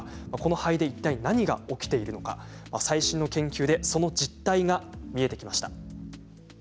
いったい何が起きているのか最新の研究でその実態が見えてきました。